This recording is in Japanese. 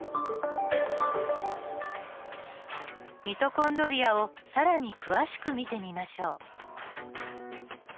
ミトコンドリアを更に詳しく見てみましょう。